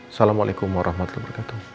assalamualaikum warahmatullahi wabarakatuh